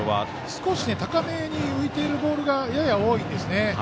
少し高めに浮いているボールがやや多いんですね。